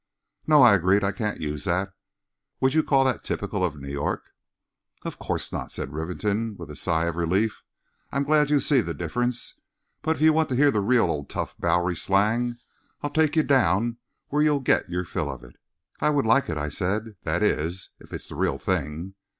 "No," I agreed; "I can't use that. Would you call that typical of New York?" "Of course not," said Rivington, with a sigh of relief. "I'm glad you see the difference. But if you want to hear the real old tough Bowery slang I'll take you down where you'll get your fill of it." "I would like it," I said; "that is, if it's the real thing.